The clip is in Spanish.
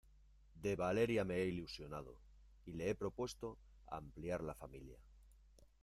de Valeria me he ilusionado y le he propuesto ampliar la familia